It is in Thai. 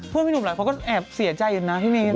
คุณพี่หนุ่มหรือเค้าก็แอบเสียใจอยู่นะพี่เนธ